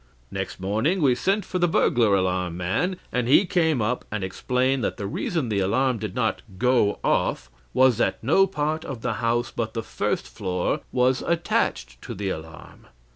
Next morning we sent for the burglar alarm man, and he came up and explained that the reason the alarm did not 'go off' was that no part of the house but the first floor was attached to the alarm.